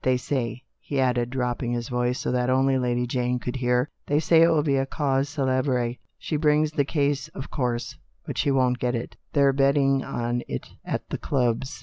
They say," he added, dropping his voice so that only Lady Jane could hear, " they say it will be a cause ceUbre. She brings the case, of course, but she won't get it. They're betting on it at the clubs."